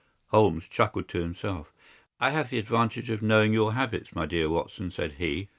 Holmes chuckled to himself. "I have the advantage of knowing your habits, my dear Watson," said he.